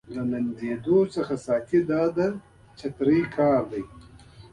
د لمدېدو څخه ساتي دا د چترۍ کار دی.